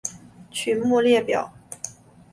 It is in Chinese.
曲目列表